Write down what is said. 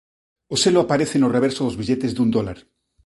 O selo aparece no reverso dos billetes dun dólar.